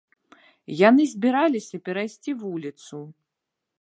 Яны збіраліся перайсці вуліцу.